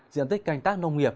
diện tích canh tác nông nghiệp